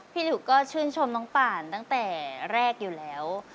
หลิวก็ชื่นชมน้องป่านตั้งแต่แรกอยู่แล้ว